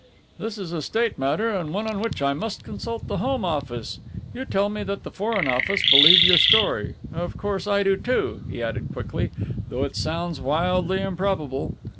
"This is a State matter and one on which I must consult the Home Office. You tell me that the Foreign Office believe your story of course I do, too," he added quickly, "though it sounds wildly improbable.